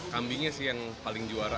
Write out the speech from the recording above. kambingnya sih yang paling juara